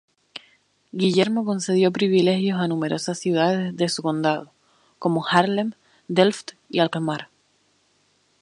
Guillermo concedió privilegios a numerosas ciudades de su condado, como Haarlem, Delft y Alkmaar.